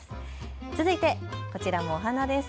続いてこちらもお花です。